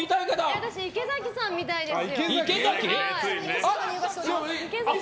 私、池崎さん見たいんですよ。